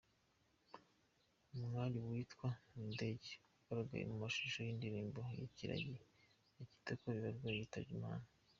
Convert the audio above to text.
Umwari witwa Nadege wagaragaye mu mashusho y’indirimbo “Ikiragi” ya Kitoko Bibarwa yitabye Imana.